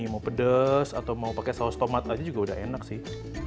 mau pedes atau mau pakai saus tomat aja juga udah enak sih